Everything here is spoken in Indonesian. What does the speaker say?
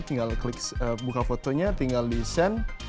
tinggal buka fotonya tinggal di send